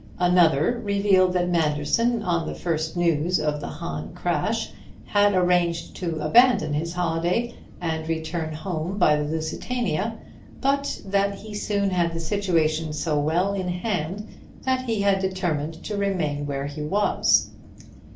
Another revealed that Manderson, on the first news of the Hahn crash, had arranged to abandon his holiday and return home by the Lusitania; but that he soon had the situation so well in hand that he had determined to remain where he was.